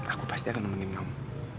aku pasti akan nemenin kamu